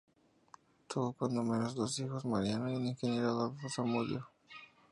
Tuvo cuando menos dos hijos, Mariano y el ingeniero Adolfo Zamudio.